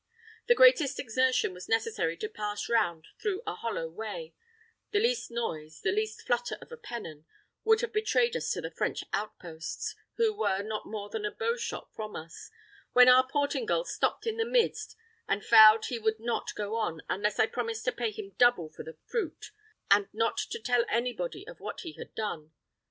The greatest exertion was necessary to pass round through a hollow way; the least noise, the least flutter of a pennon, would have betrayed us to the French outposts, who were not more than a bow shot from us, when our Portingal stopped in the midst, and vowed he would not go on, unless I promised to pay him double for the fruit, and not to tell anybody of what he had done.